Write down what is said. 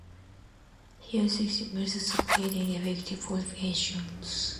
He also examined methods of creating effective fortifications.